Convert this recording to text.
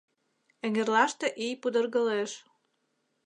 Эҥерлаште ий пудыргылеш.